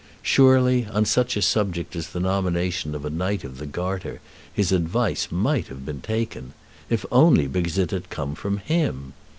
Surely on such a subject as the nomination of a Knight of the Garter his advice might have been taken, if only because it had come from him!